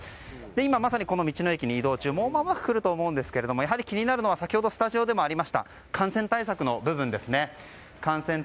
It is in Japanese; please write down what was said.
今まさにこの道の駅に移動中でまもなく来ると思いますがやはり気になるのは先ほどスタジオでもありました感染対策の部分です。